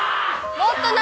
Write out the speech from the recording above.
もっと波！